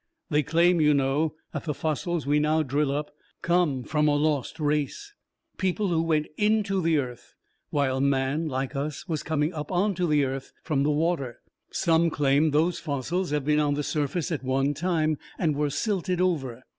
They claim, you know, that the fossils we now drill up come from a lost race people who went into the earth while man, like us, was coming up onto the earth from the water. Some claim those fossils have been on the surface at one time, and were silted over.